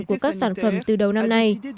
của các sản phẩm từ đầu năm nay